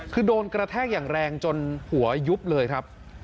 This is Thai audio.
คือโดนกระแทกอย่างแรงจนหัวยุบเลยครับ